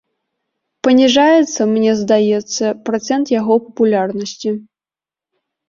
Паніжаецца, мне здаецца, працэнт яго папулярнасці.